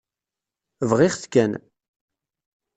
Bɣiɣ-t kan.